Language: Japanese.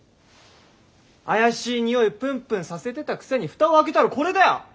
怪しいにおいをプンプンさせてたくせに蓋を開けたらこれだよ。